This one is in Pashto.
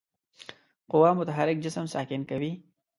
قوه متحرک جسم ساکن کوي.